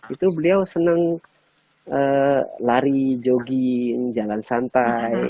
itu beliau senang lari jogging jalan santai